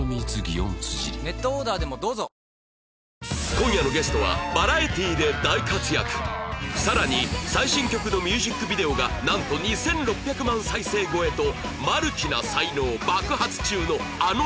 今夜のゲストは更に最新曲のミュージックビデオがなんと２６００万再生超えとマルチな才能爆発中のあのちゃん